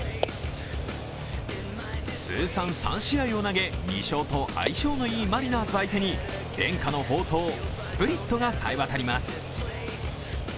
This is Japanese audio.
通算３試合を投げ、２勝と相性のいいマリナーズ相手に伝家の宝刀・スプリットがさえわたります。